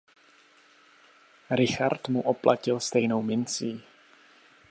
Richard mu oplatil stejnou mincí.